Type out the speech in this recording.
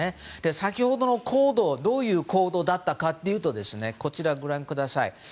先ほどの行動どういう行動だったかというとこちらご覧ください。